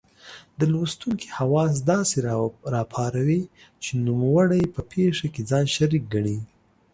د لوستونکې حواس داسې را پاروي چې نوموړی په پېښه کې ځان شریک ګڼي.